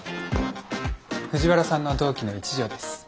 藤原さんの同期の一条です。